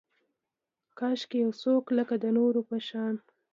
کاشکي یو څوک لکه، د نورو په شان